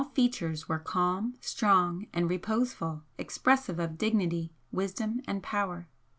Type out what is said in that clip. The features were calm and strong and reposeful, expressive of dignity, wisdom and power.